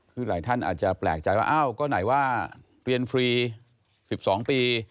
คือหลายท่านอาจจะแปลกใจว่าอ้าวก็ไหนว่าเรียนฟรี๑๒ปี